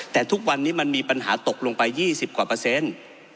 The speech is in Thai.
แต่ทุกวันนี้มันมีปัญหาตกลงไป๒๐กว่าเปอร์เซ็นต์